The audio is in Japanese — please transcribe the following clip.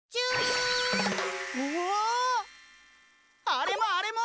あれもあれも！